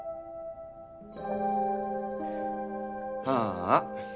ああ。